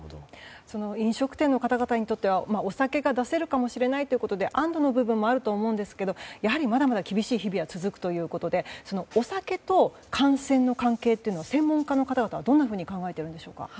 飲食店の方々にとってはお酒が出せるかもしれないということで安堵の部分もあると思うんですけどやはりまだ厳しい日々は続くということでお酒と感染の関係は専門家の方々はどんなふうに考えているんでしょうか。